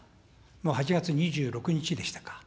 ８月２６日でしたか。